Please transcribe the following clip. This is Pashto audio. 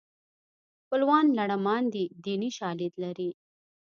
خپلوان لړمان دي دیني شالید لري